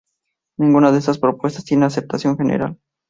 Ninguna de estas propuestas tiene aceptación general.